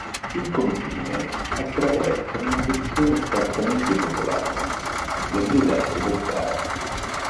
Il confine attraversa una sezione scarsamente popolata del deserto del Sahara.